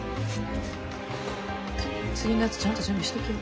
次のやつちゃんと準備しときや。